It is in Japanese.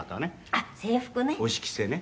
「あっ制服ね」